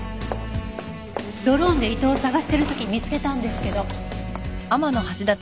ドローンで伊藤を捜してる時見つけたんですけど。